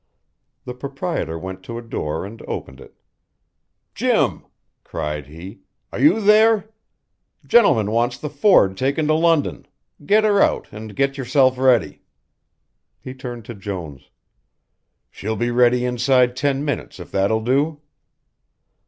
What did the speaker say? The proprietor went to a door and opened it. "Jim," cried he, "are you there? Gentleman wants the Ford taken to London, get her out and get yourself ready." He turned to Jones. "She'll be ready inside ten minutes if that will do?"